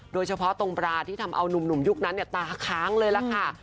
โดยเฉพาะตรงปลาที่ทำเอานุ่มยุคนั้นตาค้างเลยล่ะค่ะ